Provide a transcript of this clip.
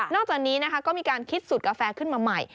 จากนี้นะคะก็มีการคิดสูตรกาแฟขึ้นมาใหม่